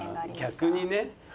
逆にね。